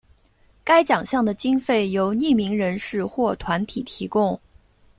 该奖项的经费由匿名人士或团体提供。